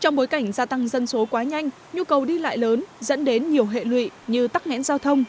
trong bối cảnh gia tăng dân số quá nhanh nhu cầu đi lại lớn dẫn đến nhiều hệ lụy như tắc nghẽn giao thông